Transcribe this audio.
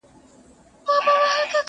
چي کورونا دی که کورونا ده٫